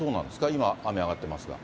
今、雨上がってますが。